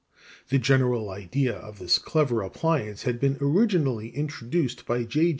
The general idea of this clever appliance had been originally introduced by Mr. J.